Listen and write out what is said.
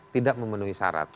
tidak memenuhi syarat